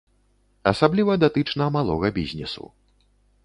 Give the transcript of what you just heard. Асабліва датычна малога бізнесу.